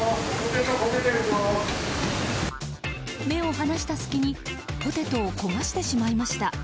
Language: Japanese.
目を離した隙にポテトを焦がしてしまいました。